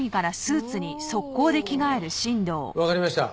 おお。わかりました。